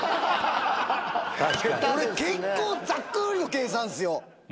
俺結構ざっくりの計算ですよ。